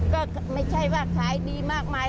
ก็ไม่ใช่ว่าขายดีมากมาย